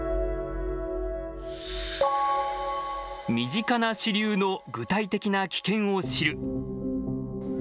身近な支流の具体的な危険を知る。